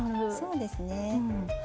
そうですね。